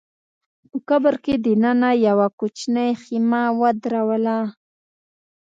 په قبر کي دننه يې يوه کوچنۍ خېمه ودروله